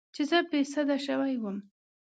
چې زه بې سده شوې وم.